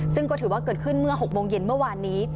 ซึ่งก็ถือว่าเกิดขึ้นเมื่อ๖โมงเย็นเมื่อวานนี้